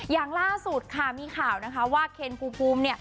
อย่างล่าสุดมีข่าวว่าเคนภูมิพูม